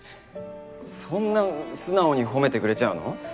そんな素直に褒めてくれちゃうの？